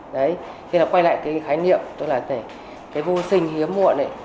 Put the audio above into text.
thế là quay lại cái khái niệm tên là vô sinh hiếm muộn